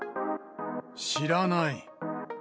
知らない。